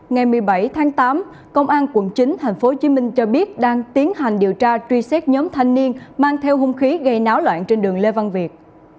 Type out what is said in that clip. ngày một mươi bảy tháng tám công an quận chín tp hcm cho biết đang tiến hành điều tra truy xét nhóm thanh niên mang theo hung khí gây náo loạn trên đường lê văn việt